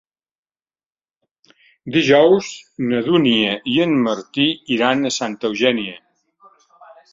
Dijous na Dúnia i en Martí iran a Santa Eugènia.